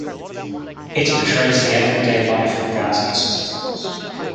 It portrays the everyday life of Gazan citizens.